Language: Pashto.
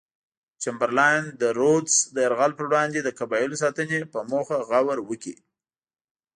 چمبرلاین د رودز د یرغل پر وړاندې د قبایلو ساتنې په موخه غور وکړي.